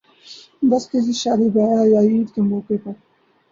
بس کسی شادی بیاہ یا عید کے موقع پر